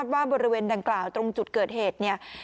ว่าบริเวณดังกล่าวตรงจุดเกิดเหตุเนี่ย